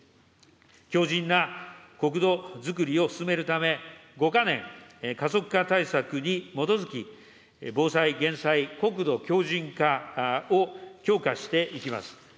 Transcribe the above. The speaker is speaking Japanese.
強じんな国土づくりを進めるため、５か年加速化対策に基づき、防災・減災、国土強じん化を強化していきます。